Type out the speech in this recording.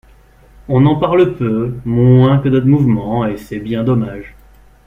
On en parle peu, moins que d’autres mouvements, et c’est bien dommage.